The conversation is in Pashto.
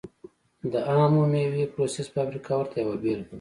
د عم مېوې پروسس فابریکه ورته یوه بېلګه وه.